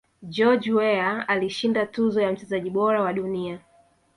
george Weah alishinda tuzo ya mchezaji bora wa dunia